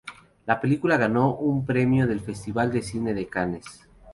La película ganó un premio del Festival de Cine de Cannes.